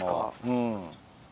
うん。